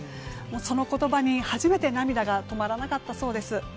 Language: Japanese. その言葉に初めて涙が止まらなかったそうです。